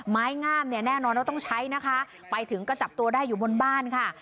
ไม้งามเนี่ยแน่นอนว่าต้องใช้นะคะไปถึงก็จับตัวได้อยู่บนบ้านค่ะ